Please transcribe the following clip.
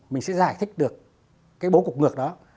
mình sẽ giải thích được cái bố cục ngược đó